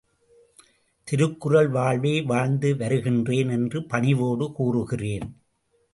திருக்குறள் வாழ்வே வாழ்ந்து வருகின்றேன் என்று பணிவோடு கூறுகிறேன்.